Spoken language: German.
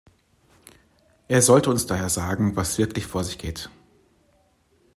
Er sollte uns daher sagen, was wirklich vor sich geht.